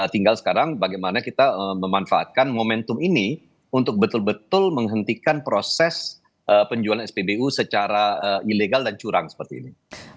tinggal sekarang bagaimana kita memanfaatkan momentum ini untuk betul betul menghentikan proses penjualan spbu secara ilegal dan curang seperti ini